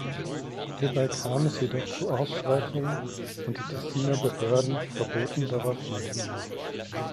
Hierbei kam es jedoch zu Ausschreitungen, und die Tessiner Behörden verboten daraufhin den Marsch.